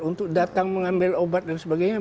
untuk datang mengambil obat dan sebagainya